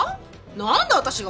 何で私が？